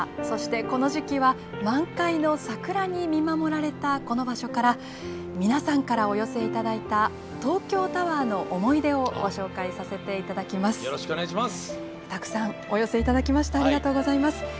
そして、この時期は満開の桜に見守られた、この場所から皆さんからお寄せいただいた東京タワーの思い出をご紹介させていただきます。